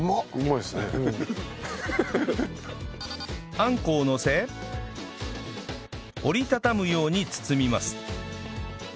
あんこをのせ折り畳むように包みます